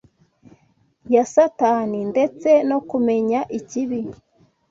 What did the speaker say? ya Satani ndetse no kumenya ikibi